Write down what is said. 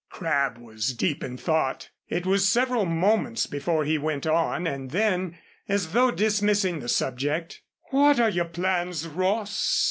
Crabb was deep in thought. It was several moments before he went on, and then, as though dismissing the subject. "What are your plans, Ross?